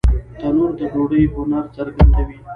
تنور د ډوډۍ هنر څرګندوي